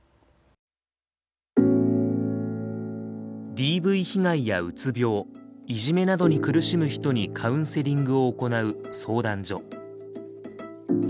ＤＶ被害やうつ病いじめなどに苦しむ人にカウンセリングを行う相談所。